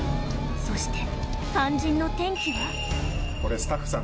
そして肝心の天気は？